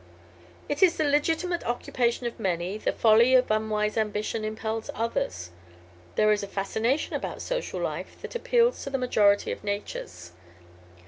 "It is the legitimate occupation of many; the folly of unwise ambition impels others. There is a fascination about social life that appeals to the majority of natures.